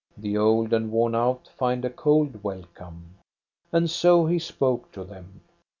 The old and worn out find a cold welcome. And so he spoke to them.